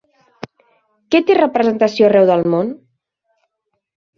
Què té representació arreu del món?